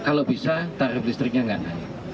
kalau bisa tarif listriknya nggak naik